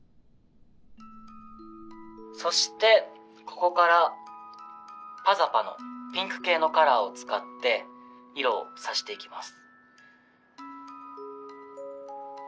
そしてここから「ｐａｚａｐａ」のピンク系のカラーを使って色をさしていきます。